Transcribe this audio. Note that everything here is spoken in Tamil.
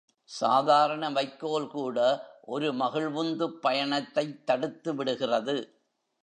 சாதாரண வைக்கோல் கூட ஒரு மகிழ்வுந்துப் பயணத்தைத் தடுத்துவிடுகிறது.